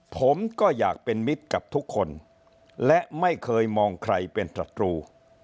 ผมก็อยากเป็นมิตรกับทุกคนและไม่เคยมองใครเป็นศัตรู